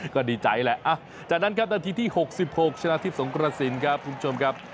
ก็ดีใจแหละจากนั้นครับนาทีที่๖๖ชนะทิพย์สงกระสินครับคุณผู้ชมครับ